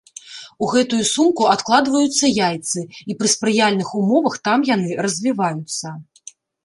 У гэтую сумку адкладваюцца яйцы, і пры спрыяльных умовах там яны развіваюцца.